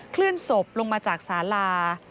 เคลื่อนศพลงมาจากสาลา